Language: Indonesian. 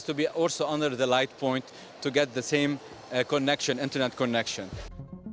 karena dia juga harus di bawah poin cahaya untuk mendapatkan koneksi internet yang sama